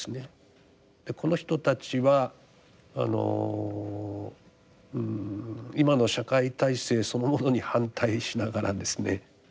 この人たちはあの今の社会体制そのものに反対しながらですね